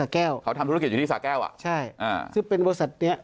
แก้วเขาทำธุรกิจอยู่ที่สาแก้วอ่ะใช่ซึ่งเป็นบริษัทนี้